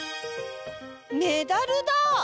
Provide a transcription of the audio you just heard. メダルだあ！